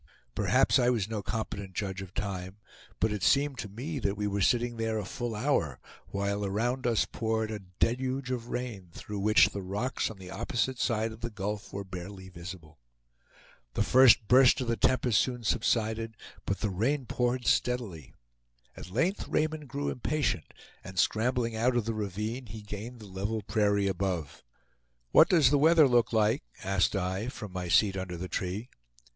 Perhaps I was no competent judge of time, but it seemed to me that we were sitting there a full hour, while around us poured a deluge of rain, through which the rocks on the opposite side of the gulf were barely visible. The first burst of the tempest soon subsided, but the rain poured steadily. At length Raymond grew impatient, and scrambling out of the ravine, he gained the level prairie above. "What does the weather look like?" asked I, from my seat under the tree.